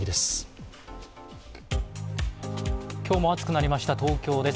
今日も暑くなりました、東京です。